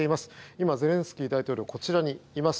今、ゼレンスキー大統領はこちらにいます。